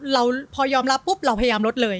เราพอยอมรับปุ๊บเราพยายามลดเลย